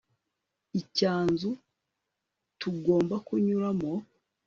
icyanzu tugomba kunyuramo